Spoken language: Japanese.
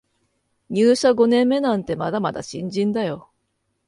入社五年目なんてまだまだ新人だよ